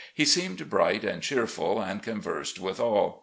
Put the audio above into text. He seemed bright and cheerfid and conversed with all.